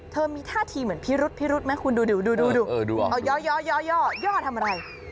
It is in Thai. เธอมีท่าทีเหมือนพี่รุ๊ดมั้ยคุณดูย่อย่อทำอะไร